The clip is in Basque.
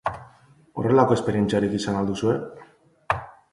Horrelako esperientziarik izan al duzue?